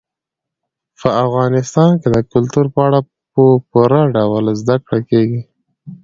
په افغانستان کې د کلتور په اړه په پوره ډول زده کړه کېږي.